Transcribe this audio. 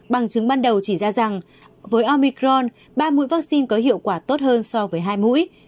bằng chứng ban đầu chỉ ra rằng với omicron ba mũi vaccine có hiệu quả tốt hơn so với hai mũi